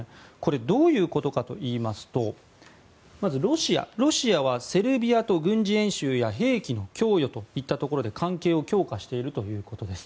どういうことかといいますとまずロシアはセルビアと軍事演習や兵器の供与といったところで関係を強化しているということです。